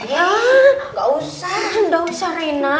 ya nggak usah reina